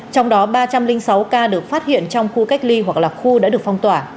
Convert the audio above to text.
trong đó ba trăm linh sáu ca được phát hiện trong khu cách ly hoặc là khu đã được phong tỏa